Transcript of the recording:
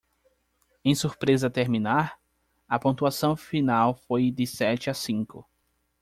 Em surpresa terminar? a pontuação final foi de sete a cinco.